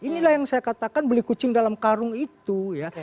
inilah yang saya katakan beli kucing dalam karung itu ya